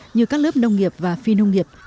như các lớp nông nghiệp và phi nông nghiệp